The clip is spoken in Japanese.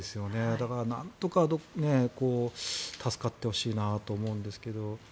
だから、なんとか助かってほしいなと思うんですけど。